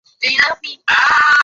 আমি তোর মুখোমুখি হবো।